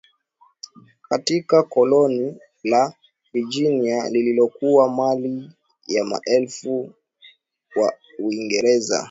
katika koloni la Virginia lililokuwa mali ya mfalme wa Uingereza